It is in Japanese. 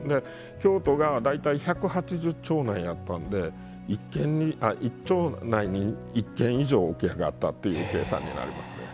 京都が大体１８０町内あったんで１町内に１軒以上桶屋があったっていう計算になりますね。